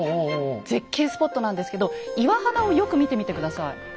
絶景スポットなんですけど岩肌をよく見てみて下さい。